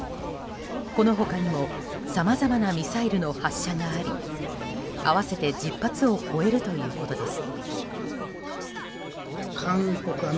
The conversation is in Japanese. この他にも、さまざまなミサイルの発射があり合わせて１０発を超えるということです。